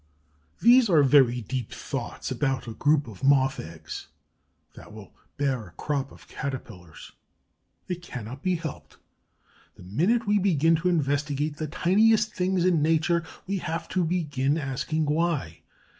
These are very deep thoughts about a group of Moth eggs that will bear a crop of Caterpillars. It cannot be helped. The minute we begin to investigate the tiniest things in nature, we have to begin asking "Why?"